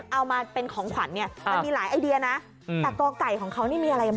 เอามาเป็นของขวัญเนี่ยมันมีหลายไอเดียนะแต่ก่อไก่ของเขานี่มีอะไรบ้าง